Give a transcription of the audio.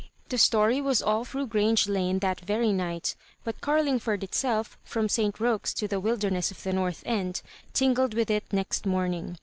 The story was all through Grange Lane that yery nigh^ but Oarlingford itself, from St Roque's to the wilderness of the North End, tingled with it next morning.